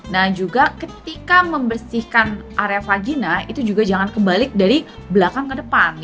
nah juga ketika membersihkan area vajina itu juga jangan kembali dari belakang ke depan